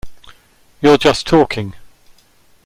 You’re just talking.